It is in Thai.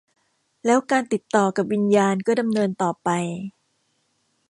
แล้วการติดต่อกับวิญญานก็ดำเนินต่อไป